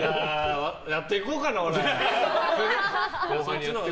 やっていこうかな、俺。